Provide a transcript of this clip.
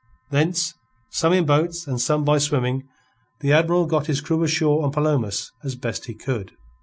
Thence, some in boats and some by swimming, the Admiral got his crew ashore on Palomas as best he could.